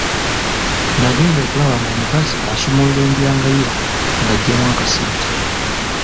Nagenda okulaba ng'omukazi asumulula endyanga ye ng'aggyamu akasente.